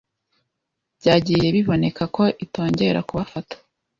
byagiye biboneka ko itongera kubafata